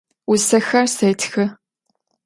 Vusexer setxı.